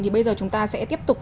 thì bây giờ chúng ta sẽ tiếp tục